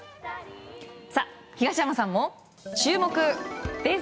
東山さんも注目です。